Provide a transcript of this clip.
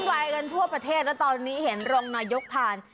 วายกันทั่วประเทศแล้วตอนนี้เห็นรองนายกทาน